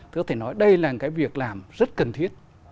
tôi có thể nói đây là cái việc làm rất cần thiết